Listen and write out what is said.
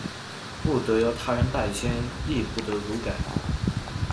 不得由他人代簽亦不得塗改